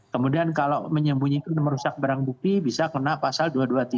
kemudian kalau menyembunyikan merusak barang bukti bisa kena pasal dua ratus dua puluh tiga